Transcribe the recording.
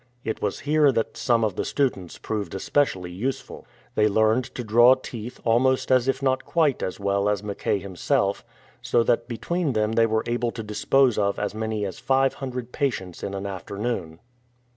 It was here that some of the students proved especially useful. They learned to draw teeth almost if not quite as well as Mackay himself, so that between them they were able to dispose of as many as 500 patients in an afternoon.